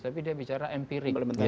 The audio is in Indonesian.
tapi dia bicara empirik